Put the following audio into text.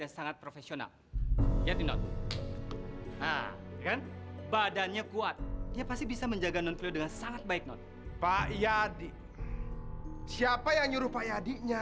sampai jumpa di video selanjutnya